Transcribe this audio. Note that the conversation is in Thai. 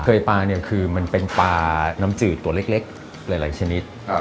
เขยปลาเป็นปลาน้ำจืดตัวเล็กหลายชนิด